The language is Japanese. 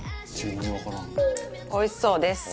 おいしそうです。